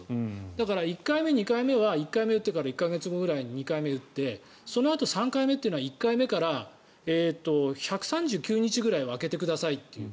だから１回目、２回目は１回目打ってから１か月後に２回目を打ってそのあと３回目というのは１回目から１３９日ぐらいは空けてくださいという。